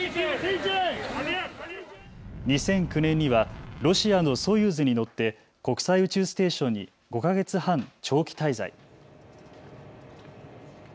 ２００９年にはロシアのソユーズに乗って国際宇宙ステーションに５か月半長期滞在。